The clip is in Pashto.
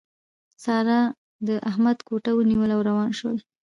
سارا د احمد ګوته ونيوله او روان شول.